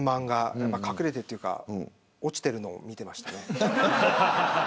隠れてというか落ちているのを見てました。